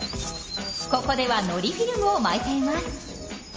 ここではのりフィルムを巻いています。